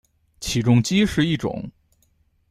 起重机是一种。